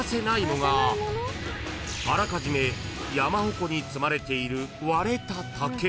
［あらかじめ山鉾に積まれている］